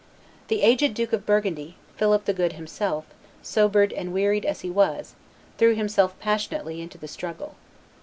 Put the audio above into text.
The aged Duke of Burgundy, Philip the Good himself, sobered and wearied as he was, threw himself passionately into the struggle.